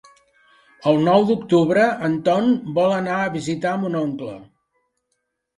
El nou d'octubre en Ton vol anar a visitar mon oncle.